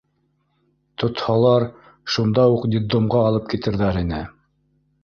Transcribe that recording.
Тотһалар, шунда уҡ детдомға алып китерҙәр ине.